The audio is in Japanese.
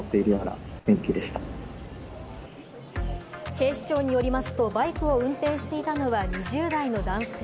警視庁によりますと、バイクを運転していたのは２０代の男性。